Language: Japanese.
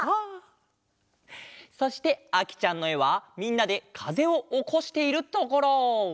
そしてあきちゃんのえはみんなでかぜをおこしているところ！